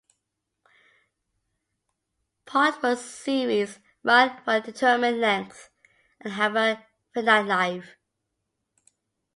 Partwork series run for a determined length and have a finite life.